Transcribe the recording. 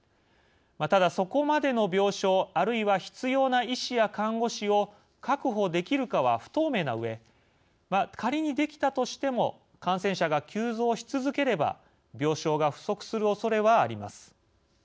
ただそこまでの病床あるいは必要な医師や看護師を確保できるかは不透明なうえ仮にできたとしても感染者が急増し続ければ病床が不足するおそれはあります。